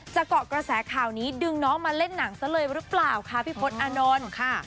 เกาะกระแสข่าวนี้ดึงน้องมาเล่นหนังซะเลยหรือเปล่าคะพี่พศอานนท์ค่ะ